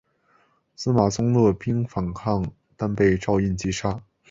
司马宗勒兵反抗但被赵胤击杀。